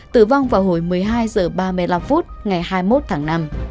tử vong vào hồi một mươi hai h ba mươi năm phút ngày hai mươi một tháng năm